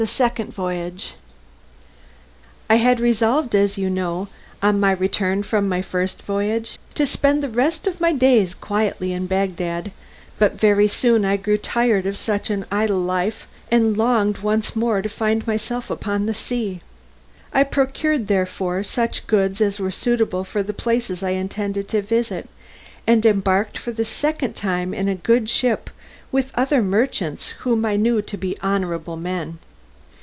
Second Voyage I had resolved, as you know, on my return from my first voyage, to spend the rest of my days quietly in Bagdad, but very soon I grew tired of such an idle life and longed once more to find myself upon the sea. I procured, therefore, such goods as were suitable for the places I intended to visit, and embarked for the second time in a good ship with other merchants whom I knew to be honourable men.